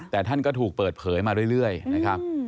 แต่ท่านก็ถูกเปิดเผยมาเรื่อยนะครับ